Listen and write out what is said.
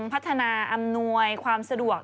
พัฒนาอำนวยความสะดวก